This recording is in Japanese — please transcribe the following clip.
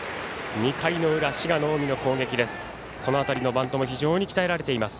２回の裏、滋賀の近江の攻撃です。